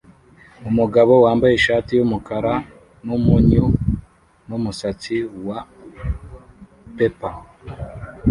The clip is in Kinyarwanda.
Umugabo wambaye ishati yumukara numunyu numusatsi wa pepper